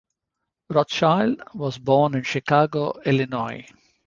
Rothschild was born in Chicago, Illinois.